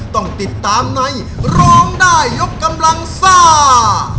ต้องติดตามในร้องได้ยกกำลังซ่า